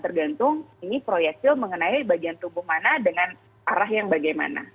tergantung ini proyektil mengenai bagian tubuh mana dengan arah yang bagaimana